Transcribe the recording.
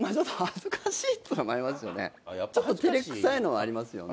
ちょっと照れくさいのはありますよね。